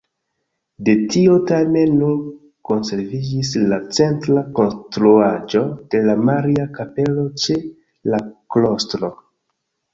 De tio tamen nur konserviĝis la centra konstruaĵo de la Maria-Kapelo ĉe la klostro.